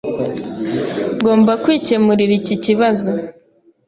Ngomba kwikemurira iki kibazo.